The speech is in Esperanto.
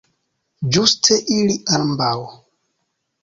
Ĝuste ili ambaŭ!